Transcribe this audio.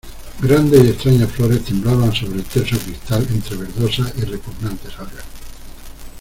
grandes y extrañas flores temblaban sobre el terso cristal entre verdosas y repugnantes algas.